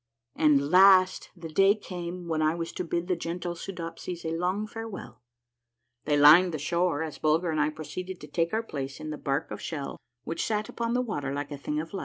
At last the day came when I was to bid the gentle Soodop sies a long farewell. They lined the shore as Bulger and I proceeded to take our place in the bark of shell which sat upon the water like a thing of life.